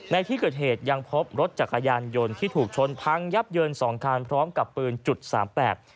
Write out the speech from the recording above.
ในที่เกิดเหตุยังพบรถจักรยานยนต์ที่ถูกชนพังยับเยินสองคันพร้อมกับปืนจุดสามแปด